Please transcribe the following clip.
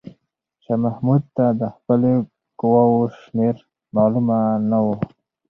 شاه محمود ته د خپلې قواوو شمېر معلومه نه و.